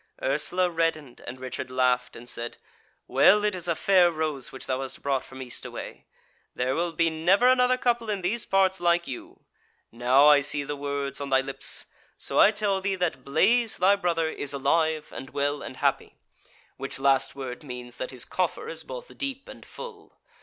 Ursula reddened, and Richard laughed and said: "Well, it is a fair rose which thou hast brought from east away. There will be never another couple in these parts like you. Now I see the words on thy lips; so I tell thee that Blaise thy brother is alive and well and happy; which last word means that his coffer is both deep and full.